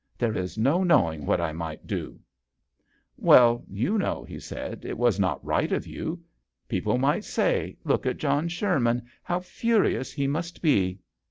There is no knowing what I might do !" "Well, you know/' he said, " it was not right of you. People might say, ' Look at John Sherman ; how furious he must be